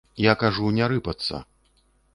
Я кажу, не рыпацца.